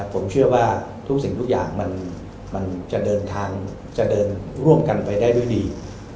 ผมเชื่อว่าทุกสิ่งทุกอย่างมันจะเดินทางจะเดินร่วมกันไปได้ด้วยดี